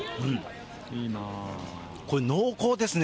これ、濃厚ですね。